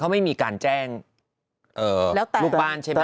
ไม่มีการแจ้งลูกบ้านใช่ไหม